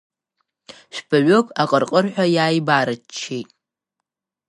Жәпаҩык аҟырҟырҳәа иааибарччеит.